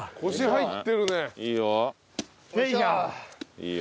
いいよ。